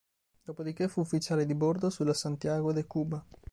Dopodiché fu ufficiale di bordo sulla "Santiago de Cuba".